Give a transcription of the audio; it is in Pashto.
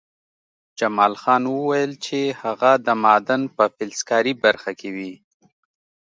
جمال خان وویل چې هغه د معدن په فلزکاري برخه کې وي